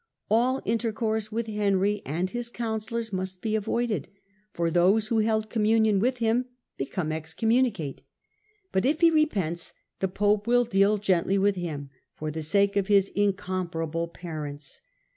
All intercourse with Henry and his counsellors must be avoided, for those who hold communion with him become excommunicate; but if he repents the pope will deal gently with him, for the sake of his incomparable parents.